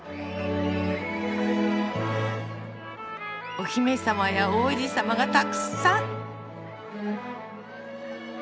お姫様や王子様がたくさん！